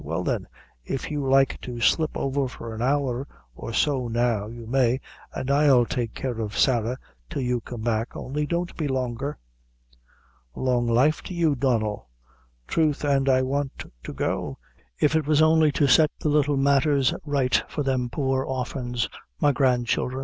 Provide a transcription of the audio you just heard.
"Well, then, if you like to slip over for an hour or so now, you may, an' I'll take care of Sarah till you come back; only don't be longer." "Long life to you, Donnel; throth an' I want to go, if it was only to set the little matthers right for them poor orphans, my grandchildre."